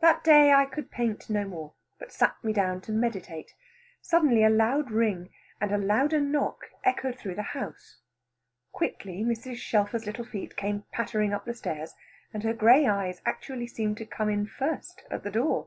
That day I could paint no more, but sat me down to meditate. Suddenly a loud ring and a louder knock echoed through the house. Quickly Mrs. Shelfer's little feet came pattering up the stairs, and her grey eyes actually seemed to come in first at the door.